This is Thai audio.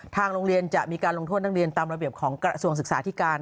ทางโรงเรียนจะมีการลงโทษนักเรียนตามระเบียบของกระทรวงศึกษาที่การ